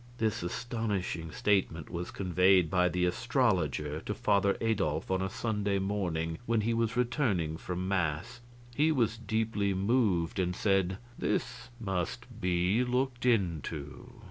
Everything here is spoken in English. This astonishing statement was conveyed by the astrologer to Father Adolf on a Sunday morning when he was returning from mass. He was deeply moved, and said: "This must be looked into."